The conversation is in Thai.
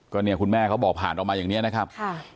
ก็เนี่ยคุณแม่เขาบอกผ่านออกมาอย่างนี้นะครับ